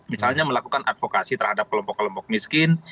misalnya melakukan advokasi terhadap kelompok kelompok miskin